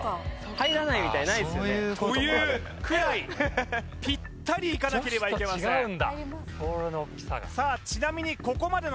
入らないみたいなないですよねというくらいピッタリいかなければいけません